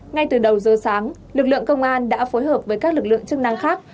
ngay từ đầu giờ sáng lực lượng công an đã phối hợp với các lực lượng chức năng khác